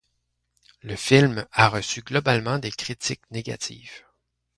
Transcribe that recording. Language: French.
Le film a reçu globalement des critiques négatives.